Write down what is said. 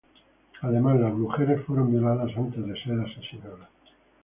Además las mujeres fueron violadas antes de ser asesinadas.